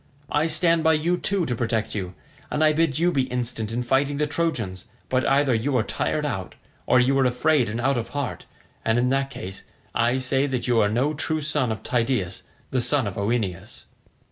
I stand by you too to protect you, and I bid you be instant in fighting the Trojans; but either you are tired out, or you are afraid and out of heart, and in that case I say that you are no true son of Tydeus the son of Oeneus."